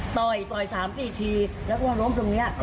ก็เข้าไปข้างในนะคะ